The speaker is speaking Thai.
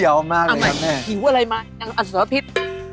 หิวอะไรมานางสลพิษ